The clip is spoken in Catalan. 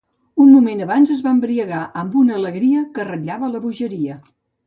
Un moment abans es va embriagar amb una alegria que ratllava la bogeria.